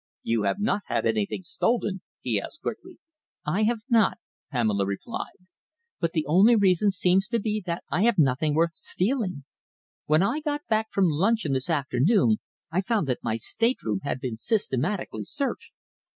"You have not had anything stolen?" he asked quickly. "I have not," Pamela replied, "but the only reason seems to be that I have nothing worth stealing. When I got back from luncheon this afternoon I found that my stateroom had been systematically searched."